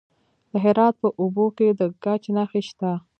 د هرات په اوبې کې د ګچ نښې شته.